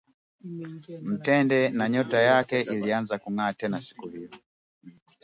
mtende na nyota yake ilianza kungaa toka siku hio